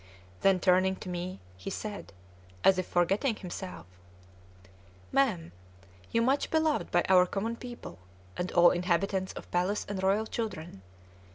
Then turning to me, he said (as if forgetting himself): "Mam! you much beloved by our common people, and all inhabitants of palace and royal children.